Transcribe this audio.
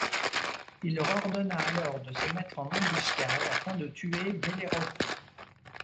Il leur ordonna alors de se mettre en embuscade afin de tuer Bellérophon.